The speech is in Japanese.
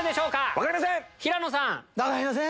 分かりませんっ！